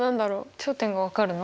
頂点が分かるの？